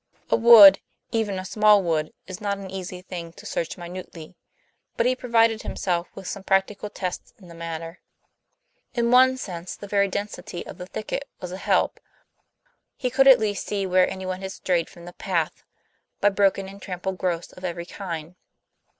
A wood, even a small wood, is not an easy thing to search minutely; but he provided himself with some practical tests in the matter. In one sense the very density of the thicket was a help; he could at least see where anyone had strayed from the path, by broken and trampled growths of every kind.